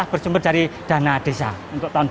berjumlah dari dana desa untuk tahun dua ribu dua puluh satu